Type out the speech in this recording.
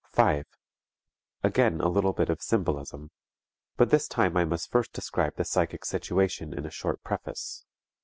5. Again a little bit of symbolism. But this time I must first describe the psychic situation in a short preface.